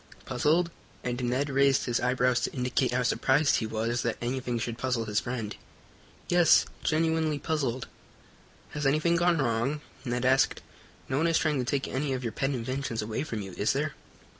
"Puzzled?" and Ned raised his eyebrows to indicate how surprised he was that anything should puzzle his friend. "Yes, genuinely puzzled." "Has anything gone wrong?" Ned asked. "No one is trying to take any of your pet inventions away from you, is there?"